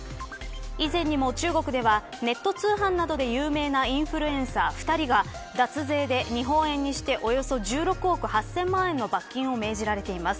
以前にも中国ではネット通販などで有名なインフルエンサー２人が脱税で日本円にしておよそ１６億８０００万円の罰金を命じられています。